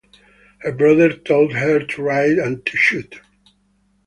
Her brother taught her to ride and to shoot.